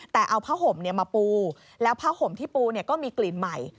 แต่เอาผ้าห่มมาปูแล้วผ้าห่มที่ปูก็มีกลิ่นใหม่